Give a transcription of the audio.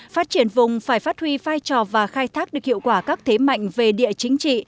phát triển vùng phải phát huy vai trò và khai thác được hiệu quả các thế mạnh về địa chính trị